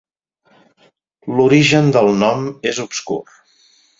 L'origen del nom és obscur.